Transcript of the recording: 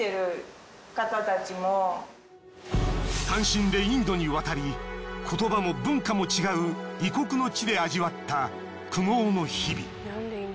単身でインドに渡り言葉も文化も違う異国の地で味わった苦悩の日々。